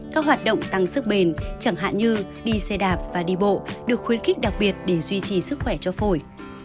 các hoạt động tăng sức bền chẳng hạn như đi xe đạp và đi bộ được khuyến khích đặc biệt để duy trì sức khỏe cho phổi